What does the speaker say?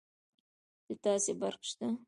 د تاسي برق شته